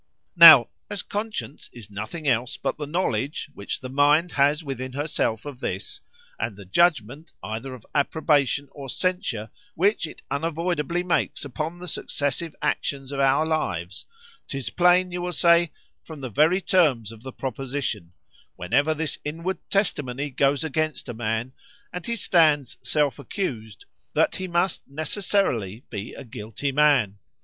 ] "Now,—as conscience is nothing else but the knowledge which the mind has within herself of this; and the judgment, either of approbation or censure, which it unavoidably makes upon the successive actions of our lives; 'tis plain you will say, from the very terms of the proposition,—whenever this inward testimony goes against a man, and he stands self accused, that he must necessarily be a guilty man.